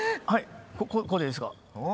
こうでいいですか。